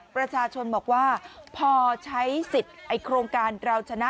ประชาชนบอกว่าพอใช้สิทธิ์โครงการเราชนะ